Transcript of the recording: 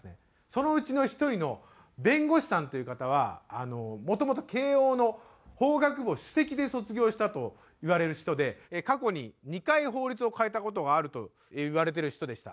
そのうちの１人の弁護士さんという方はもともと慶應の法学部を首席で卒業したといわれる人で過去に２回法律を変えた事があるといわれてる人でした。